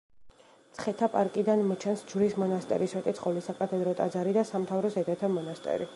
მცხეთა პარკიდან მოჩანს ჯვრის მონასტერი, სვეტიცხოვლის საკათედრო ტაძარი და სამთავროს დედათა მონასტერი.